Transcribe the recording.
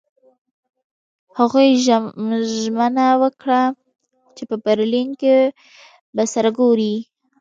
هغوی ژمنه وکړه چې په برلین کې به سره ګوري